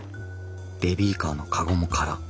ベビーカーのカゴも空。